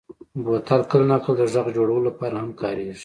بوتل کله ناکله د غږ جوړولو لپاره هم کارېږي.